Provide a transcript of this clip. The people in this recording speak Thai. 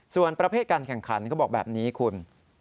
ส่วนประเภทการแข่งขันเขาบอกแบบนี้คุณ